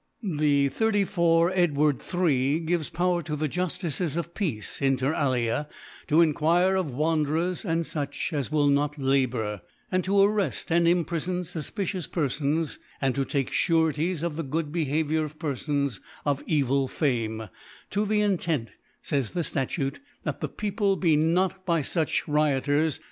The 34 * Edxv. III. gives Power to the Juftices of the Peace, inter atia^ to en quire of Wanderers, and foch as will not kbour, and to arrefl: and imprifbn fu^icious Perfons, and to take Sureties of ihe good Behaviour of Perfons of evil Fame, * to the * Intent, lays the Statute, that the People be * not by fuch Rioters, Gfr.